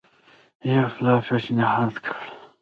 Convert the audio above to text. یو پلان پېشنهاد کړ.